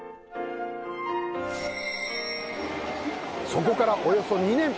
そこからおよそ２年